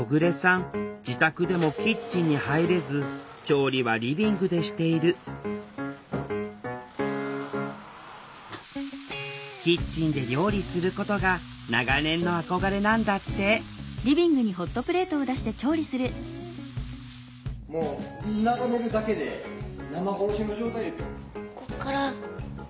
自宅でもキッチンに入れず調理はリビングでしているキッチンで料理することが長年の憧れなんだってもう眺めるだけで生殺しの状態ですよ。